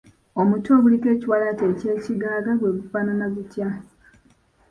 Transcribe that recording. Omutwe oguliko ekiwalaata eky’ekigagga gwe gufaanana gutya?